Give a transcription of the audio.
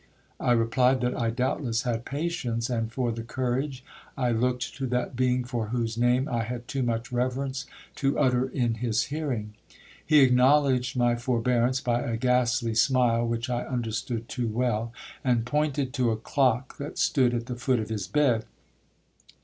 I replied, that I doubtless had patience, and for the courage, I looked to that Being for whose name I had too much reverence to utter in his hearing. He acknowledged my forbearance by a ghastly smile which I understood too well, and pointed to a clock that stood at the foot of his bed.